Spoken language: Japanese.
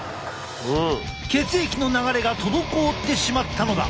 血液の流れが滞ってしまったのだ。